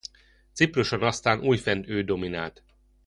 Cipruson aztán újfent ő dominált.